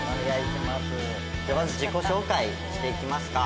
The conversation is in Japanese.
じゃあまず自己紹介していきますか。